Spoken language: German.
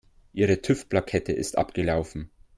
Ihre TÜV-Plakette ist abgelaufen.